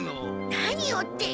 何をって。